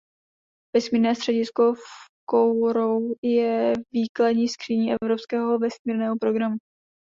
Vesmírné středisko v Kourou je výkladní skříní evropského vesmírného programu.